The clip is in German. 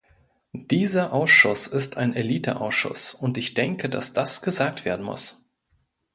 Dieser Ausschuss ist ein Eliteausschuss, und ich denke, dass das gesagt werden muss.